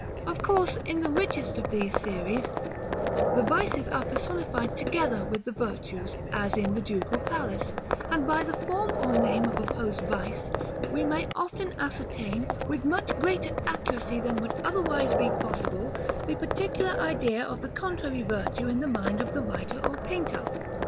Of course, in the richest of these series, the vices are personified together with the virtues, as in the Ducal Palace; and by the form or name of opposed vice, we may often ascertain, with much greater accuracy than would otherwise be possible, the particular idea of the contrary virtue in the mind of the writer or painter.